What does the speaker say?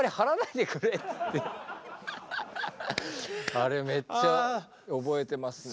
あれめっちゃ覚えてますね。